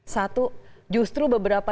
satu justru beberapa